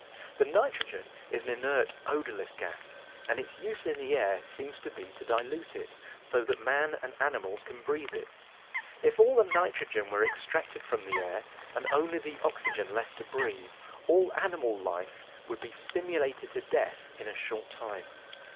The nitrogen is an inert, odorless gas, and its use in the air seems to be to dilute it, so that man and animals can breathe it. If all the nitrogen were extracted from the air and only the oxygen left to breathe, all animal life would be stimulated to death in a short time.